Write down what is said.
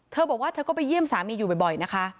เธอบอกว่าเธอก็ไปเยี่ยมสามีอยู่บ่อยนะคะ